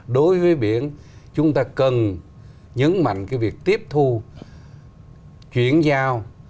đối với biển chúng ta cần nhấn mạnh cái việc tiếp thu chuyển giao